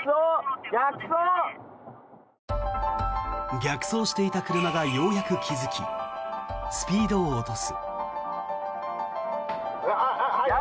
逆走していた車がようやく気付きスピードを落とす。